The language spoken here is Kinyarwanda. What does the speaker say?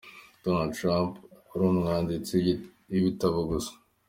Donald trump uri umwanditsi w’ibitabo gusa.